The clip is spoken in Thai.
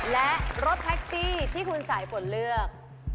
และรถแท็กซี่ที่คุณสายฝนเลือก